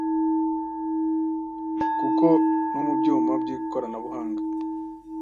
kuko nomubyuma byikoranabuhanga,